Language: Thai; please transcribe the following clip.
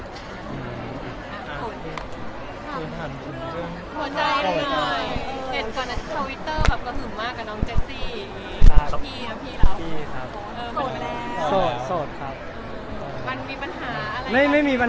โทรใจหน่อย